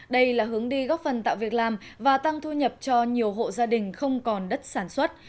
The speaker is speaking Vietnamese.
đây là hướng đi góp phần tạo việc làm và tăng thu nhập cho nhiều hộ gia đình không còn đất sản xuất